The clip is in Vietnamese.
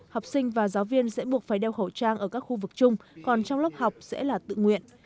học sinh và giáo viên sẽ buộc phải đeo khẩu trang ở các khu vực chung còn trong lớp học sẽ là tự nguyện